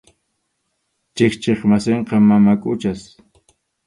Chikchip wasinqa mama Quchas.